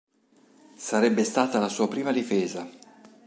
Sarebbe stata la sua prima difesa.